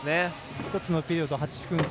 １つのピリオド８分間。